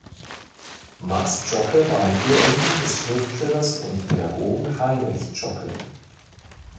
Max Zschokke war ein Urenkel des Schriftstellers und Pädagogen Heinrich Zschokke.